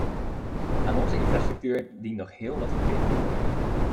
Aan onze infrastructuur dient nog heel wat verbeterd te worden.